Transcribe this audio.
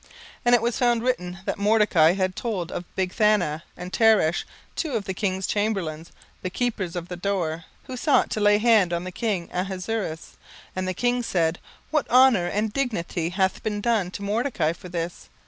17:006:002 And it was found written, that Mordecai had told of Bigthana and Teresh, two of the king's chamberlains, the keepers of the door, who sought to lay hand on the king Ahasuerus. 17:006:003 And the king said, What honour and dignity hath been done to Mordecai for this?